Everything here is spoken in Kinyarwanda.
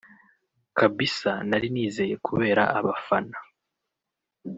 Kabisa nari niyizeye kubera abafana